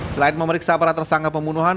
selain memeriksa para tersangka pembunuhan